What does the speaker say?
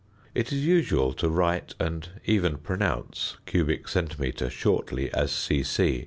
It is usual to write and even pronounce cubic centimetre shortly as c.c.